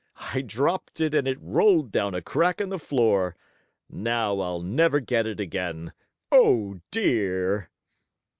I dropped it and it rolled down a crack in the floor. Now I'll never get it again. Oh, dear!"